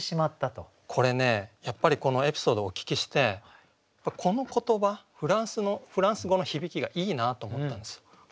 これねやっぱりこのエピソードをお聞きしてこの言葉フランス語の響きがいいなと思ったんですよ。